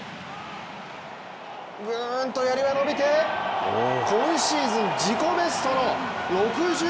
グーンとやりが伸びて今シーズン自己ベストの６５ｍ１０！